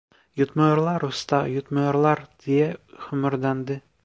Yutmuyorlar usta, yutmuyorlar! diye homurdandı.